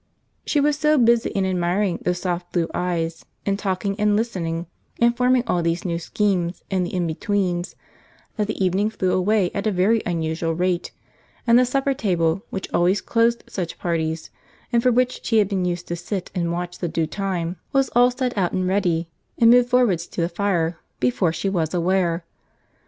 She was so busy in admiring those soft blue eyes, in talking and listening, and forming all these schemes in the in betweens, that the evening flew away at a very unusual rate; and the supper table, which always closed such parties, and for which she had been used to sit and watch the due time, was all set out and ready, and moved forwards to the fire, before she was aware.